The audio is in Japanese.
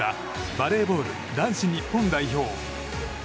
バレーボール男子日本代表。